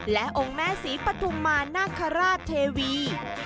และองค์แม่ศรีปฐุมมานาคาราชเทวี